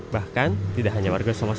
bahkan tidak hanya warga somasi